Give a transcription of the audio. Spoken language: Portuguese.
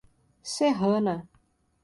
Serrana